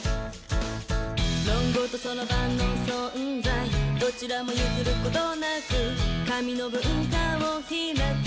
「論語と算盤の存在どちらも譲ることなく」「紙の文化を拓き」